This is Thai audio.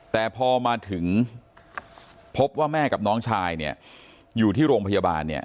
แต่พอมาถึงพบว่าแม่กับน้องชายอยู่ที่โรงพยาบาล